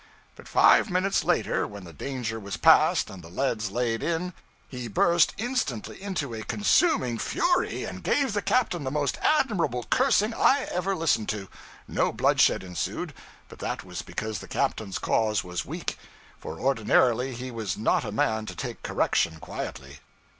But five minutes later, when the danger was past and the leads laid in, he burst instantly into a consuming fury, and gave the captain the most admirable cursing I ever listened to. No bloodshed ensued; but that was because the captain's cause was weak; for ordinarily he was not a man to take correction quietly.